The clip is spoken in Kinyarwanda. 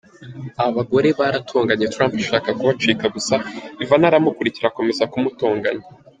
Aba bagore baratonganye, Trump ashaka kubacika gusa Ivana aramukurikira akomeza kumutonganya.